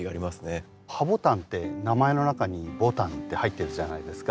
ハボタンって名前の中に「ボタン」って入ってるじゃないですか。